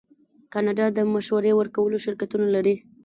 کاناډا د مشورې ورکولو شرکتونه لري.